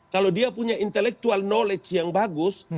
kalau dia punya kemahiran intelektual yang bagus